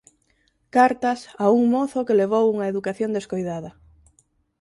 Cartas a un mozo que levou unha educación descoidada